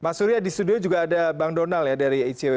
mas surya di studio juga ada bang donal ya dari icw